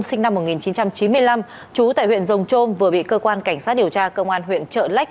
sinh năm một nghìn chín trăm chín mươi năm trú tại huyện rồng trôm vừa bị cơ quan cảnh sát điều tra công an huyện trợ lách